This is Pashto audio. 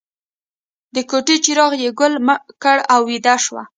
د کوټې څراغ یې ګل کړ او ویده شو